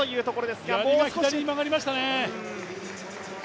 やりが左に曲がりましたね。